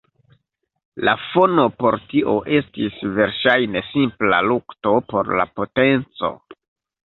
La fono por tio estis verŝajne simpla lukto por la potenco.